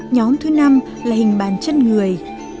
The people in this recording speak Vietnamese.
nhóm thứ năm là hình bàn chân người